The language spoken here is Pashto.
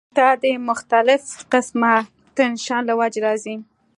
دا د مختلف قسمه ټېنشن له وجې راځی